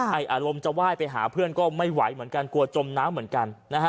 อารมณ์จะไหว้ไปหาเพื่อนก็ไม่ไหวเหมือนกันกลัวจมน้ำเหมือนกันนะฮะ